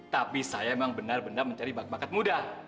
tapi saya memang benar benar mencari bakat bakat muda